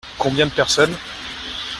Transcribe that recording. Combien de personnes ?